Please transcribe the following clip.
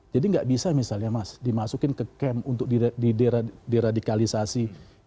jadi tidak bisa misalnya mas dimasukkan ke kem untuk diradikalisasi